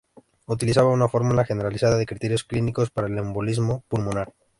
Utiliza una fórmula generalizada de criterios clínicos para el embolismo pulmonar.